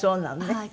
はい。